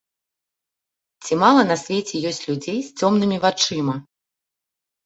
Ці мала на свеце ёсць людзей з цёмнымі вачыма?